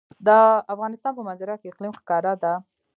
د افغانستان په منظره کې اقلیم ښکاره ده.